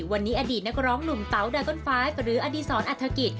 วันนี้อดีตนักร้องหนุ่มเต๋าดากอนไฟล์หรืออดีศรอัฐกิจ